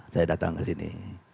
saya datang ke sini